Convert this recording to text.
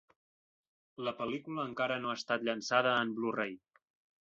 La pel·lícula encara no ha estat llançada en Blu-Ray.